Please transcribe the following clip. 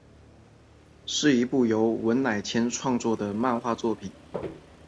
是一部由文乃千创作的漫画作品。